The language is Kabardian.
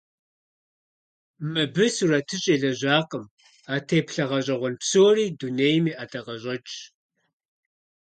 Мыбы сурэтыщӀ елэжьакъым; а теплъэ гъэщӀэгъуэн псори дунейм и ӀэдакъэщӀэкӀщ.